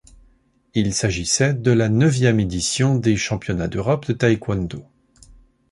Il s'agissait de la neuvième édition des championnats d'Europe de taekwondo.